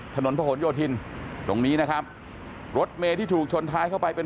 ถนนพระหลโยธินตรงนี้นะครับรถเมย์ที่ถูกชนท้ายเข้าไปเป็น